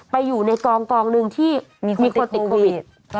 ไปอยู่ในกองหนึ่งที่มีคนติดโควิด